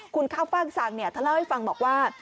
คุณข้าวฟ่างสังเธอเล่าให้ฟังบอกว่า